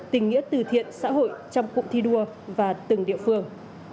tình nghĩa từ thiện xã hội trong cụm thi đua và từng địa phương